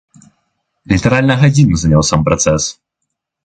Літаральна гадзіну заняў сам працэс.